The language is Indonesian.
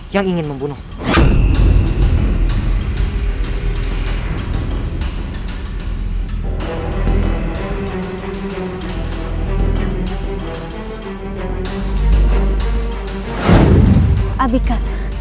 yang ingin membunuhmu